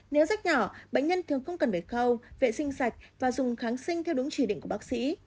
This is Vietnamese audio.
nếu rách nhỏ bệnh nhân thường không cần phải khâu vệ sinh sạch và dùng kháng sinh theo đúng chỉ định của bác sĩ